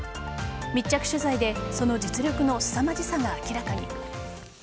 密着取材でその実力のすさまじさが明らかに。